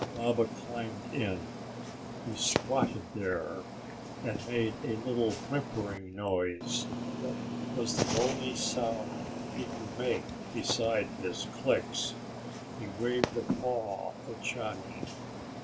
Baba climbed in. He squatted there and made a little whimpering noise that was the only sound he could make beside his clicks. He waved a paw at Johnny.